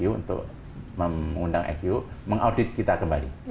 untuk mengundang iq mengaudit kita kembali